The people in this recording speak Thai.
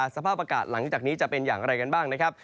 สภาพอากาศหลังจากนี้จะเป็นอย่างไรกันบ้างนะครับ